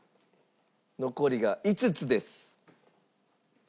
残りが５つです。